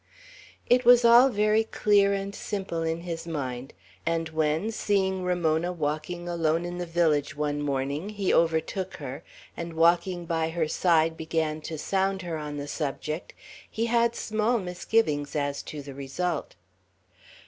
It was all very clear and simple in his mind; and when, seeing Ramona walking alone in the village one morning, he overtook her, and walking by her side began to sound her on the subject, he had small misgivings as to the result.